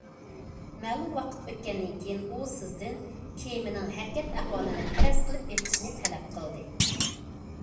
مەلۇم ۋاقىت ئۆتكەندىن كېيىن ئۇ سىزدىن كېمىنىڭ ھەرىكەت ئەھۋالىنى پەرەز قىلىپ بېقىشنى تەلەپ قىلدى.